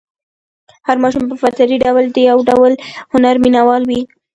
هر ماشوم په فطري ډول د یو ډول هنر مینه وال وي.